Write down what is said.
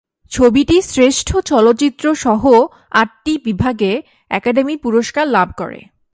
ছবিটি শ্রেষ্ঠ চলচ্চিত্রসহ আটটি বিভাগে একাডেমি পুরস্কার লাভ করে।